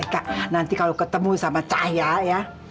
kak nanti kalau ketemu sama cahya ya